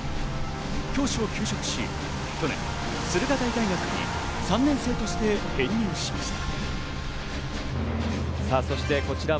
教師を休職し、去年、駿河台大学に３年生として編入しました。